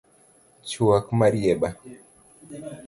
Chuak marieba